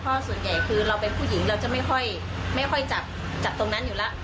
เพราะส่วนใหญ่คือเราเป็นผู้หญิงเราจะไม่ค่อยจับตรงนั้นอยู่แล้ว